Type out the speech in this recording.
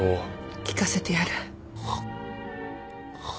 聴かせてやる。